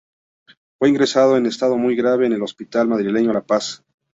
Fue ingresado en estado muy grave en el hospital madrileño La Paz.